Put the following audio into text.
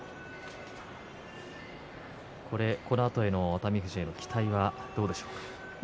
このあとの熱海富士への期待はどうでしょうか。